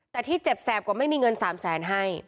แต่ที่เจ็บแสบกว่าไม่มีเงิน๓แสนให้